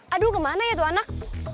aduh kemana ya tuh anak